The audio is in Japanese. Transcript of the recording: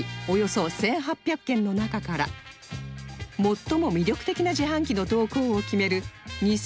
およそ１８００件の中から最も魅力的な自販機の投稿を決める